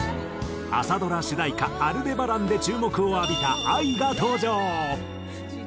朝ドラ主題歌『アルデバラン』で注目を浴びたＡＩが登場。